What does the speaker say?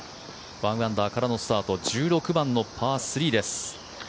１アンダーからのスタート１６番のパー３です。